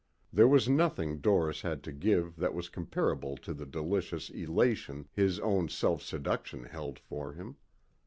There was nothing Doris had to give that was comparable to the delicious elation his own self seduction held for him.